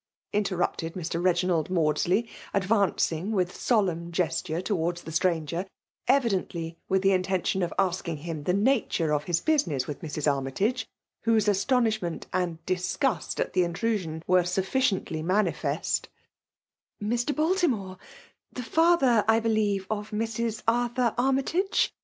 *' interrupted Mr. Beginald Maudsl^, advancing with solemn gesture towards the stranger^ evidently with the intention of ask ing him the nature of his business with Mrs. Army tage, whose astonishment and disgust at the intrusion were sufficiently manifest " Mr. Baltimore — the father, I believe, of Mrs. Arthur Armytage